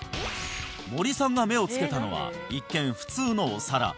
森さんが目をつけたのは一見普通のお皿